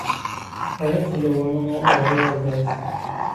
Qrib d lawan ad nruḥ ɣer uɣerbaz.